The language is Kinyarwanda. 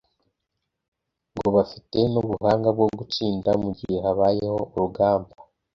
ngo bafite n’ubuhanga bwo gutsinda mu gihe habayeho urugamba